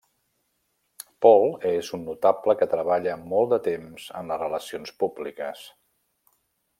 Paul és un notable que treballa molt de temps en les relacions públiques.